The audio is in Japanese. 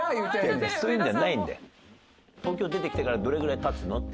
東京出てきてからどれぐらい経つの？